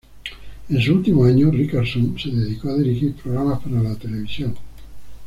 En su últimos años, Richardson se dedicó a dirigir programas para la televisión.